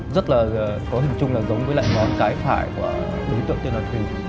rất là có hình chung là giống với lại ngón cái phải của đối tượng tên là thùy